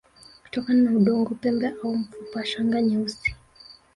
kutokana na udongo pembe au mfupa Shanga nyeusi